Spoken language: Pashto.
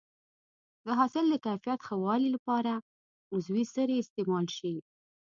د حاصل د کیفیت ښه والي لپاره عضوي سرې استعمال شي.